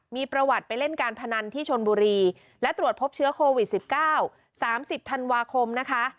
มีประวัติไปเล่นการพนันที่ชนบุรีและตรวจพบเชื้อโควิด๑๙๓๐ธันวาคมนะคะ